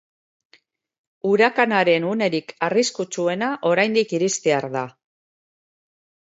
Urakanaren unerik arriskutsuena oraindik iristear da.